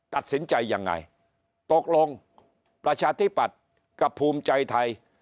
ตัดสินใจยังไงตกลงประชาธิปัตย์กับภูมิใจไทย